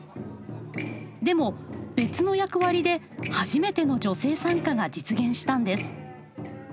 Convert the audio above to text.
でも別の役割で初めての女性参加が実現したんです。